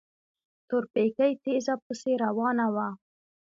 تورپيکۍ تېزه پسې روانه وه.